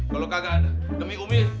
kalau kagak demi umi